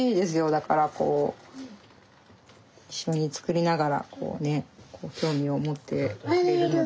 だからこう一緒に作りながらこうね興味を持ってくれるので。